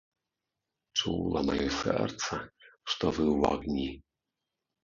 Чула маё сэрца, што вы ў агні.